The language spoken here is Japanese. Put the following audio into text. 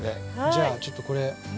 じゃあちょっとこれ。